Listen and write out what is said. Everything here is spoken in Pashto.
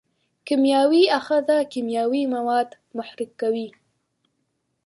کیمیاوي آخذه کیمیاوي مواد محرک کوي.